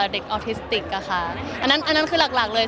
เด็กออธิสติกค่ะค่ะอันนั้นคือหลักเลย